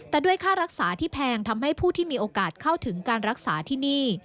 แต่ด้วยค่ารักษาที่แพงทำให้ผู้ที่มีโอกาสเข้าถึงการรักษาที่นี่